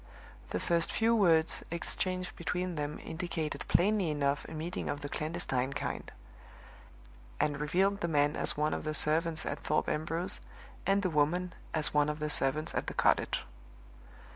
The first few words exchanged between them indicated plainly enough a meeting of the clandestine kind; and revealed the man as one of the servants at Thorpe Ambrose, and the woman as one of the servants at the cottage.